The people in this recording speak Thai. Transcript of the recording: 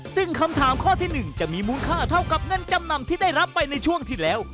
ซึ่งคำถามข้อที่๑จะมีมูลค่าเท่ากับเงินจำนำที่ได้รับไปในช่วงที่แล้ว